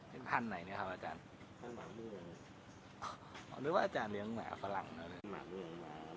พันธุ์ไหนเนี่ยครับอาจารย์อาจารย์เลี้ยงแหม่ฝรั่งนะ